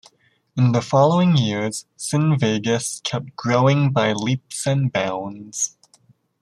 In the following years, CineVegas kept growing by leaps and bounds.